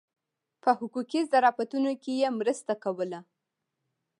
په حقوقي ظرافتونو کې یې مرسته کوله.